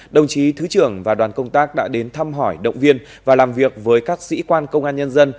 đồng chí thứ trưởng và đoàn công tác đã đến thăm hỏi động viên và làm việc với các sĩ quan công an nhân dân